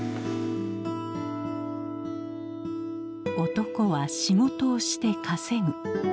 男は仕事をして稼ぐ。